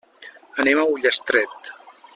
Anem a Ullastret.